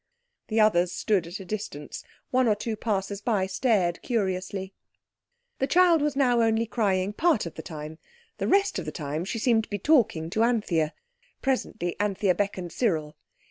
The others stood at a distance. One or two passers by stared curiously. The child was now only crying part of the time; the rest of the time she seemed to be talking to Anthea. Presently Anthea beckoned Cyril.